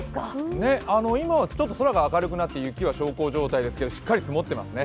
今はちょっと空が明るくなって雪は小康状態ですが、しっかり積もっていますね。